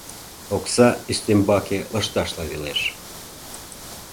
Окса ӱстембаке лышташла велеш.